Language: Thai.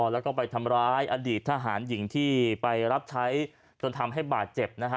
แล้วก็ไปทำร้ายอดีตทหารหญิงที่ไปรับใช้จนทำให้บาดเจ็บนะฮะ